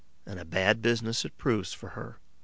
And a bad business it proves for her.